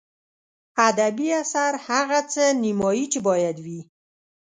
ادبي اثر هغه څه نمایي چې باید وي.